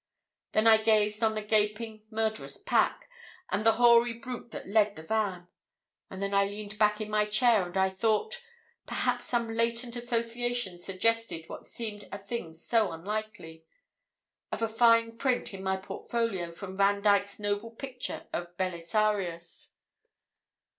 Then I gazed on the gaping, murderous pack, and the hoary brute that led the van; and then I leaned back in my chair, and I thought perhaps some latent association suggested what seemed a thing so unlikely of a fine print in my portfolio from Vandyke's noble picture of Belisarius.